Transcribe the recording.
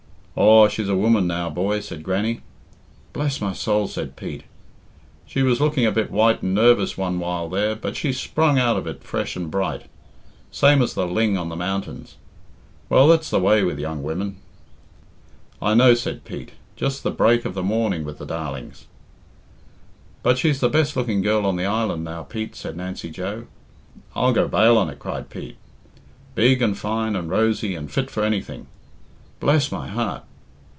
"Aw, she's a woman now, boy," said Grannie. "Bless my soul!" said Pete. "She was looking a bit white and narvous one while there, but she's sprung out of it fresh and bright, same as the ling on the mountains. Well, that's the way with young women." "I know," said Pete. "Just the break of the morning with the darlings." "But she's the best looking girl on the island now, Pete," said Nancy Joe. "I'll go bail on it," cried Pete. "Big and fine and rosy, and fit for anything." "Bless my heart!"